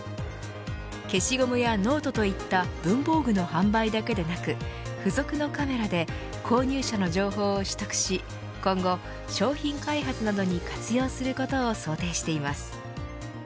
消しゴムやノートといった文房具の販売だけでなく付属のカメラで購入者の情報を取得し今後、商品開発などに活用することを想定しています。